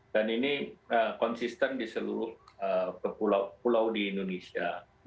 dan ini konsisten di seluruh pulau di indonesia